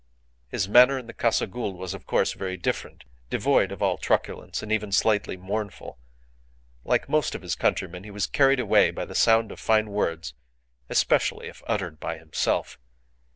His manner in the Casa Gould was, of course, very different devoid of all truculence, and even slightly mournful. Like most of his countrymen, he was carried away by the sound of fine words, especially if uttered by himself.